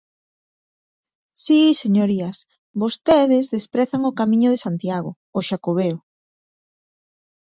Si, señorías, vostedes, desprezan o Camiño de Santiago, o Xacobeo.